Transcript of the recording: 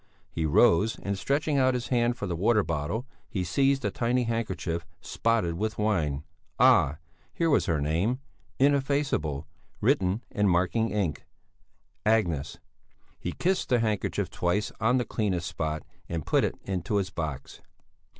He rose, and stretching out his hand for the water bottle, he seized a tiny handkerchief, spotted with wine. Ah! Here was her name, ineffaceable, written in marking ink Agnes! He kissed the handkerchief twice on the cleanest spot and put it into his box.